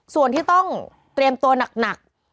ส่วนที่ต้องเตรียมตัวหนัก